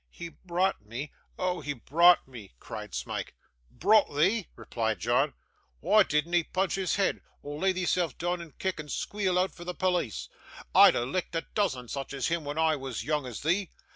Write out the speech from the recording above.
'He brought me; oh! he brought me,' cried Smike. 'Brout thee!' replied John. 'Why didn't 'ee punch his head, or lay theeself doon and kick, and squeal out for the pollis? I'd ha' licked a doozen such as him when I was yoong as thee.